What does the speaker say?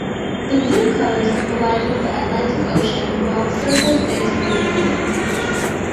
The blue colour symbolizes the Atlantic Ocean, while the circle stands for unity.